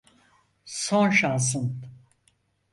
Son şansın.